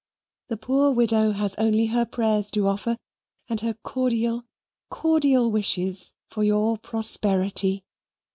The poor widow has only her prayers to offer and her cordial cordial wishes for YOUR PROSPERITY!